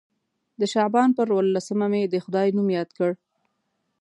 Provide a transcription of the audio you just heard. د شعبان پر اووه لسمه مې د خدای نوم یاد کړ.